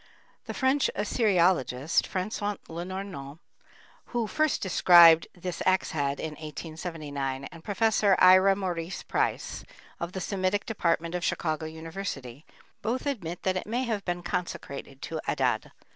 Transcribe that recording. The French assyriologist, François Lenormant, who first described this axe head in 1879, and Prof. Ira Maurice Price, of the Semitic Department of Chicago University, both admit that it may have been consecrated to Adad.